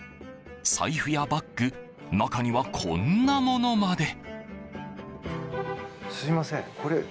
財布やバッグ中には、こんなものまで。